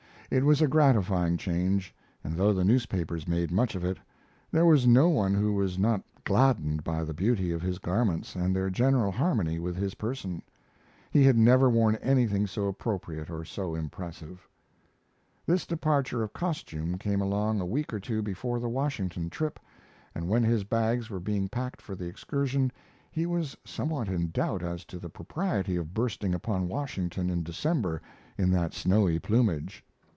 It was a gratifying change, and though the newspapers made much of it, there was no one who was not gladdened by the beauty of his garments and their general harmony with his person. He had never worn anything so appropriate or so impressive. This departure of costume came along a week or two before the Washington trip, and when his bags were being packed for the excursion he was somewhat in doubt as to the propriety of bursting upon Washington in December in that snowy plumage.